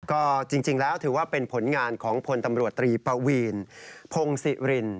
ก็จริงแล้วถือว่าเป็นผลงานของพลตำรวจตรีปวีนพงศิริน